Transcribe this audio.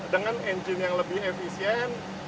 dengan engine yang lebih efisien